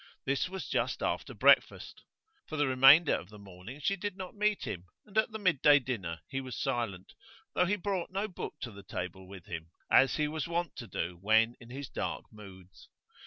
This was just after breakfast. For the remainder of the morning she did not meet him, and at the mid day dinner he was silent, though he brought no book to the table with him, as he was wont to do when in his dark moods.